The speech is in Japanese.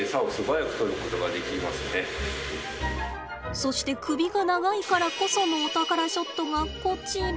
そして首が長いからこそのお宝ショットがこちら。